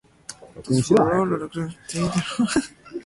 Those for roll are located at the wingtips.